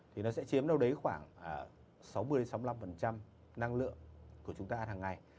thì nó sẽ chiếm đâu đấy khoảng sáu mươi sáu mươi năm năng lượng của chúng ta hàng ngày